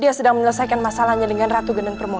dia sedang menyelesaikan masalahnya dengan ratu geneng permoho